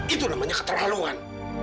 itulah namanya keterlaluan